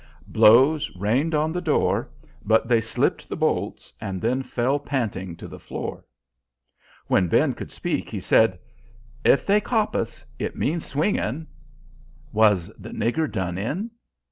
Blows rained on the door, but they slipped the bolts, and then fell panting to the floor. When Ben could speak, he said: "If they cop us, it means swinging." "Was the nigger done in?"